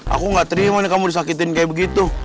aku gak terima nih kamu disakitin kayak begitu